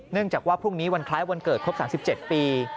จากว่าพรุ่งนี้วันคล้ายวันเกิดครบ๓๗ปี